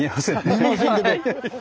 見えませんけど。